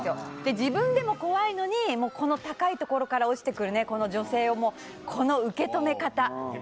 自分でも怖いのに、この高いところから落ちてくるこの女性を、この受け止め方。